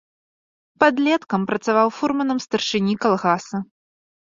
Падлеткам працаваў фурманам старшыні калгаса.